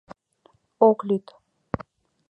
— Ок лӱд.